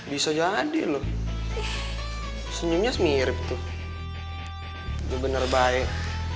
bisa jadi loh senyumnya mirip tuh bener bener baik